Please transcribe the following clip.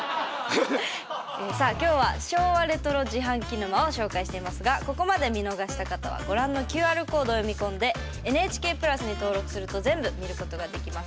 さあ今日は昭和レトロ自販機沼を紹介していますがここまで見逃した方はご覧のＱＲコードを読み込んで「ＮＨＫプラス」に登録すると全部見ることができます。